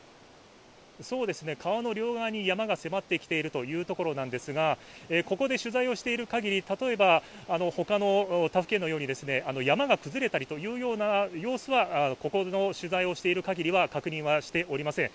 川の両側に山が迫ってきているというところなんですがここで取材をしているかぎり例えば他府県のように山が崩れたりという様子はここの取材をしているかぎりは確認はしておりません。